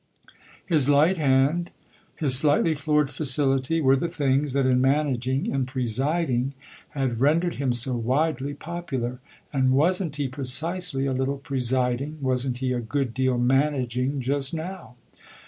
His light hand, his slightly florid facility were the things that in managing, in presiding, had rendered him so widely THE OTHER HOUSE 203 popular ; and wasn't he, precisely, a little presiding, wasn't he a good deal managing just now